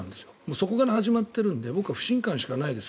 そこから始まっているので僕は不信感しかないです。